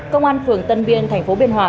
công an phường tân biên thành phố biên hòa